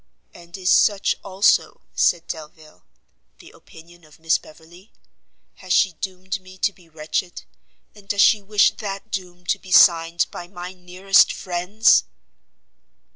"And is such, also," said Delvile, "the opinion of Miss Beverley? has she doomed me to be wretched, and does she wish that doom to be signed by my nearest friends!"